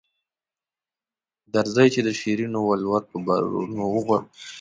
درځئ چې د شیرینو ولور په بارونو غواړي.